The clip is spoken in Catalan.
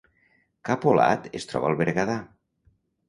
Capolat es troba al Berguedà